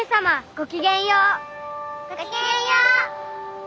ごきげんよう。